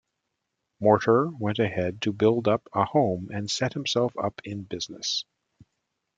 Morter went ahead to build a home and set himself up in business.